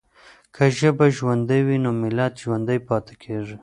که ژبه ژوندۍ وي نو ملت ژوندی پاتې کېږي.